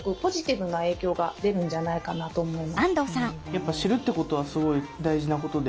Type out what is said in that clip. やっぱ知るってことはすごい大事なことで。